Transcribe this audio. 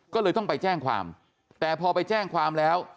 ก็เลยต้องไปแจ้งความแต่พอไปแจ้งความแล้ว